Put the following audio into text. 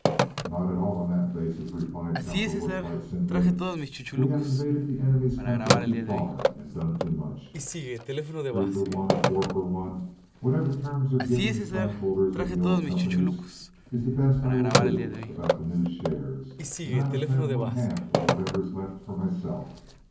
"Not at all on that basis," replied Cowperwood, quite simply. "We have invaded the enemies' country too far and done too much. Three for one or four for one—whatever terms are given the stockholders of the old companies—is the best I will do about the new shares, and I must have one half of whatever is left for myself.